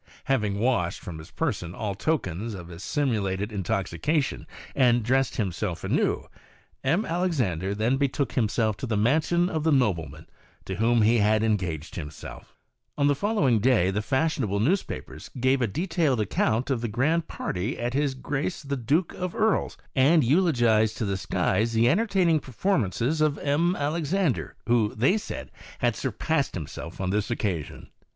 Having washed from his person all tokens of his simulated in toxication, and dressed himself anew, M. Alexandre then betook himself to the mansion of the nobleman to whom he had engaged himself. 52 maccabe's art of ventriloquism On the following day the fashionable newspapers gave a detailed account of the grand party at his GTrace the Duke of 's, and eulogized to the skies the entertaining performances of M. Alexandre, who, they said, had surpassed himself ou this occasion.